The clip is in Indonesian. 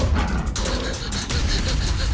gimana kita mencet